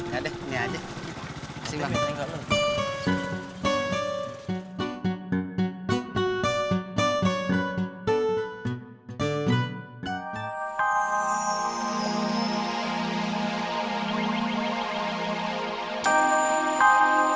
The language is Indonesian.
ya deh ini aja